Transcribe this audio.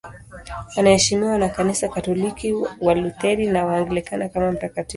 Anaheshimiwa na Kanisa Katoliki, Walutheri na Waanglikana kama mtakatifu.